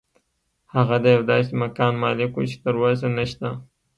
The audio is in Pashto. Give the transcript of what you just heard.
هغه د یو داسې مکان مالک و چې اوس نشته